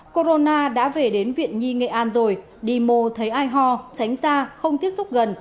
corona đã về đến viện nhi nghệ an rồi đi mô thấy ai ho tránh xa không tiếp xúc gần